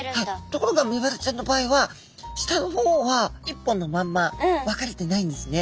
ところがメバルちゃんの場合は下の方は一本のまんま分かれてないんですね。